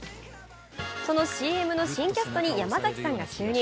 そのＣＭの新キャストに山崎さんが就任。